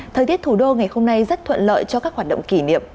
thời tiết thủ đô ngày hôm nay rất thuận lợi cho các hoạt động kỷ niệm